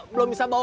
bisa rusak ya